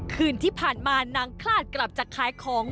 คืนที่ผ่านมานางคลาดกลับจากขายของ